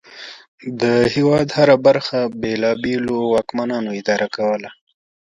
د هېواد هره برخه بېلابېلو واکمنانو اداره کوله.